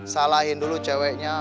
salahkan dulu ceweknya